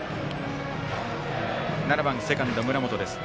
７番、セカンド、村本です。